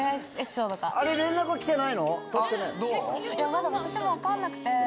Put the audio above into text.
まだ私も分かんなくて。